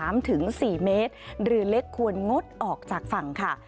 ถึงสี่เมตรหรือเล็กควรงดออกจากฝั่งค่ะ